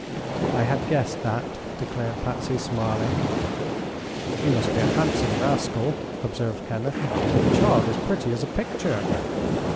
"I had guessed that," declared Patsy, smiling. "He must be a handsome rascal," observed Kenneth, "for the child is pretty as a picture."